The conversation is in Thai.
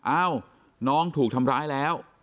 เอ้าน้องถูกทำร้ายแล้ว